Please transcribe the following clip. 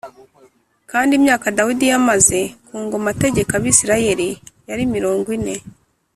Kandi imyaka Dawidi yamaze ku ngoma ategeka Abisirayeli yari mirongo ine